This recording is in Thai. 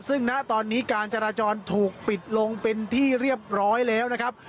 ซึ่งณตอนนี้การจราจรถูกปิดลงเป็นที่เรียบร้อยแล้วนะครับ